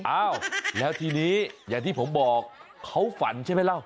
อ้าวแล้วทีนี้อย่างที่ผมบอกเขาฝันใช่ไหมเล่า